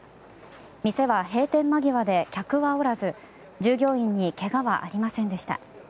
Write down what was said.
店は閉店間際で客はおらず従業員に怪我はありませんでした。